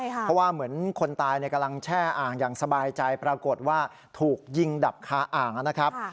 เพราะว่าเหมือนคนตายกำลังแช่อ่างอย่างสบายใจปรากฏว่าถูกยิงดับคาอ่างนะครับ